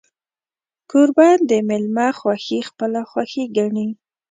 کوربه د میلمه خوښي خپله خوښي ګڼي.